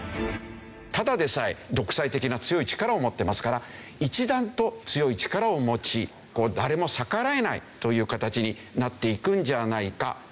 ただでさえ独裁的な強い力を持っていますから一段と強い力を持ちこう誰も逆らえないという形になっていくんじゃないか？